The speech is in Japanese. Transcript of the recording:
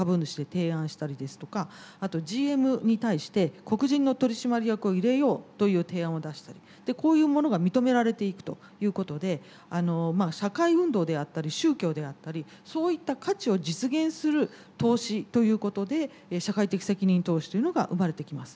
あとＧＭに対して黒人の取締役を入れようという提案を出したりこういうものが認められていくということで社会運動であったり宗教であったりそういった価値を実現する投資ということで社会的責任投資というのが生まれてきます。